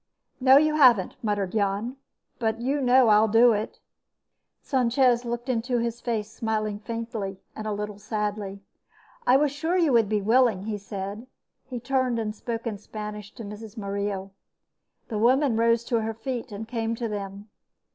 "No, you haven't," muttered Jan. "But you know I'll do it." Sanchez looked into his face, smiling faintly and a little sadly. "I was sure you would be willing," he said. He turned and spoke in Spanish to Mrs. Murillo. The woman rose to her feet and came to them.